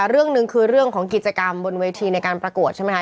เรื่องหนึ่งคือเรื่องของกิจกรรมบนเวทีในการประกวดใช่ไหมคะ